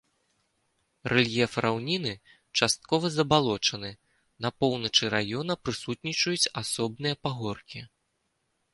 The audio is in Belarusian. Рэльеф раўнінны, часткова забалочаны, на поўначы раёна прысутнічаюць асобныя пагоркі.